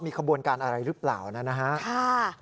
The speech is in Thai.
ขบวนการอะไรหรือเปล่านะฮะ